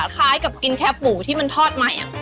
คล้ายกับกินแค่หมูที่มันทอดใหม่